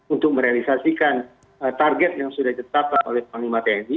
untuk merealisasikan target yang sudah ditetapkan oleh panglima tni